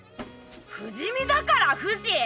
不死身だからフシ？